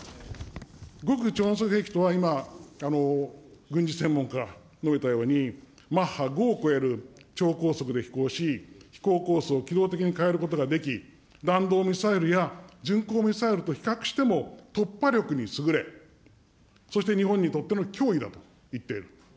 極超音速兵器とは今、軍事専門家が述べたように、マッハ５を超える超高速で飛行し、飛行コースを機動的に変えることができ、弾道ミサイルや巡航ミサイルと比較しても突破力に優れ、そして日本にとっての脅威だと言っている。